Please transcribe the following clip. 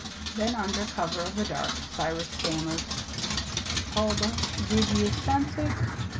Then, under cover of the dark, Cyrus stammered: "Huldah, did ye sense it?